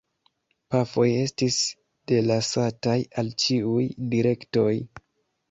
Pafoj estis delasataj al ĉiuj direktoj.